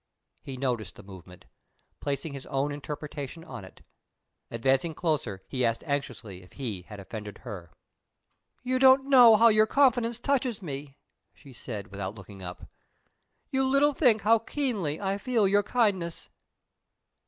He noticed the movement, placing his own interpretation on it. Advancing closer, he asked anxiously if he had offended her. "You don't know how your confidence touches me," she said, without looking up. "You little think how keenly I feel your kindness."